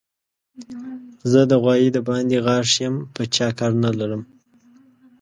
زه د غوايي د باندې غاښ يم؛ په چا کار نه لرم.